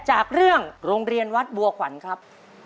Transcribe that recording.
จากเรื่องโรงเรียนวัดบัวขวัญครับ